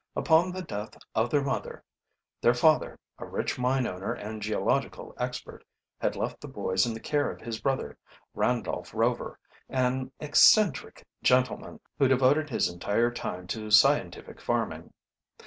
Upon the death of their mother, their father, a rich mine owner and geological expert, had left the boys in the care of his brother, Randolph Rover, an eccentric gentleman who devoted his entire time to scientific farming.